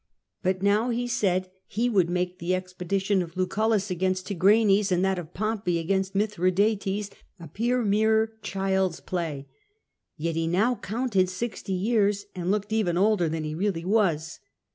But now he said that he would make the expedition of Lucullus against Tigranes and that of Pompey against Mithradates appear mere child's play. Yet he now counted sixty years, and looked even older than he really was."